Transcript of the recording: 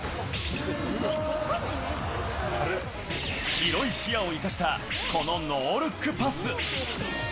広い視野を生かしたこのノールックパス。